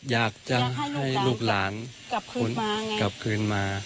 อยากจะให้ลูกหลานกลับคืนมา